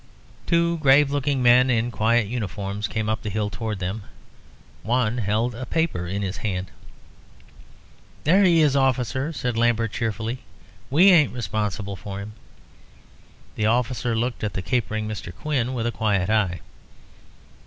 Two grave looking men in quiet uniforms came up the hill towards them. One held a paper in his hand. "There he is, officer," said Lambert, cheerfully; "we ain't responsible for him." The officer looked at the capering Mr. Quin with a quiet eye.